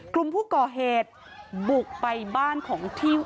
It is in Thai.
กลุ่มผู้ก่อเหตุบุกไปบ้านของที่